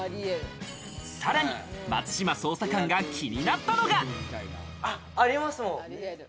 さらに松島捜査官が気になったのが。